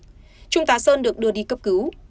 trung tà sơn được đưa đi cấp cứu